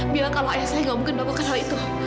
biar kalau ayah saya gak mungkin bawa ke hal itu